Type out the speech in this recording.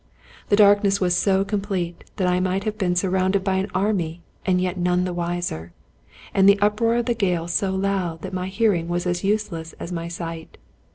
The darkness was so complete that I might have been sur rounded by an army and yet none the wiser, and the up roar of the gale so loud that my hearing was as useless as my sight.